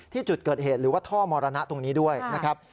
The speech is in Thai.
ที่จุดเกิดเหตุหรือว่าท่อมรณะตรงนี้ด้วยนะครับ